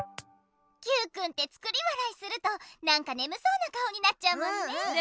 Ｑくんて作り笑いするとなんかねむそうな顔になっちゃうもんね。